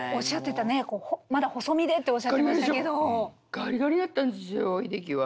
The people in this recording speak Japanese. ガリガリだったんですよ秀樹は。